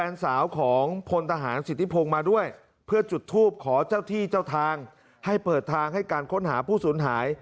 มาติดตามการค้นหา